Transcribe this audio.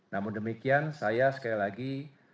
namun demikian saya sekali lagi